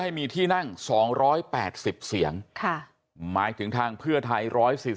ให้มีที่นั่งสองร้อยแปดสิบเสียงค่ะมาถึงทางเพื่อไทยร้อย